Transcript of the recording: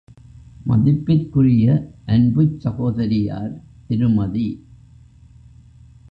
மதிப்பிற்குரிய அன்புச் சகோதரியார் திருமதி.